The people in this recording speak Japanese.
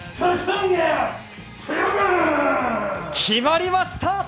決まりました！